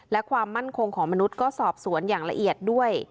และความมั่นคงของมนุษย์ก็สอบสวนอย่างละเอียดด้วย